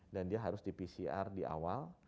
dan dia harus di pcr di awal